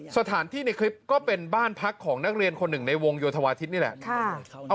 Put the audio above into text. สถานที่ในคลิปก็เป็นบ้านพักของนักเรียนคนหนึ่งในวงโยธวาทิศนี่แหละ